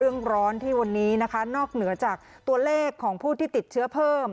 ร้อนที่วันนี้นะคะนอกเหนือจากตัวเลขของผู้ที่ติดเชื้อเพิ่ม